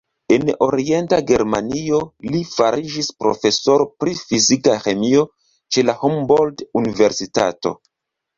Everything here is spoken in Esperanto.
En Orienta Germanio li fariĝis profesoro pri fizika ĥemio ĉe la Humboldt-universitato.